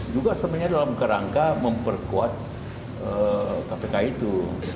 juga sebenarnya dalam kerangka memperkuat kpk itu